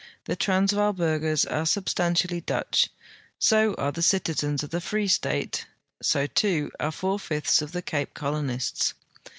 The Transvaal burghers are substantially Dutch ; so are the citizens of the Free State; so, too, are four fifths of the Cape Colonists.